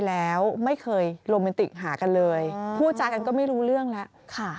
แล้วไม่เคยโรแมนติกหากันเลยพูดจากันก็ไม่รู้เรื่องแล้วค่ะ